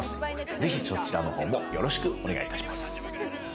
ぜひ、そちらの方もよろしくお願いいたします。